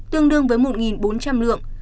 tương đương với một bốn trăm linh lượng